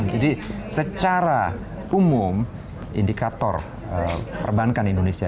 jadi secara umum indikator perbankan indonesia